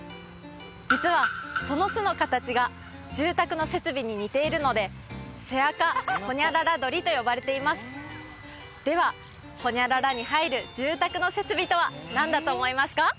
実はその巣の形が住宅の設備に似ているのでセアカ○○ドリと呼ばれていますでは○○に入る住宅の設備とは何だと思いますか？